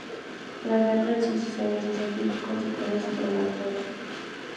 La Guerra de Sucesión hizo sentir sus consecuencias sobre Martorell.